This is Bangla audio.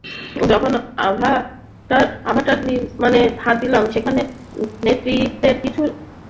যখন অ্যাভাটার নির্মাণে হাত দিলাম, সেখানে নেতৃত্বের কিছু নীতি কাজে লাগানোর চেষ্টা করলাম।